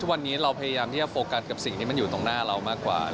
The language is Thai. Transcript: วันนี้เราพยายามที่จะโฟกัสกับสิ่งที่มันอยู่ตรงหน้าเรามากกว่า